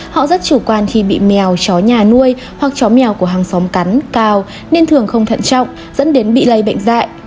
họ rất chủ quan khi bị mèo chó nhà nuôi hoặc chó mèo của hàng xóm cắn cao nên thường không thận trọng dẫn đến bị lây bệnh dạy